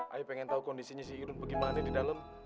ayo pengen tau kondisinya si irun bagaimana di dalam